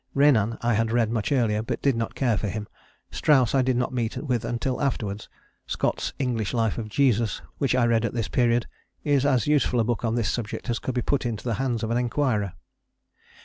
Renan I had read much earlier, but did not care for him; Strauss I did not meet with until afterwards; Scott's "English Life of Jesus", which I read at this period, is as useful a book on this subject as could be put into the hands of an inquirer.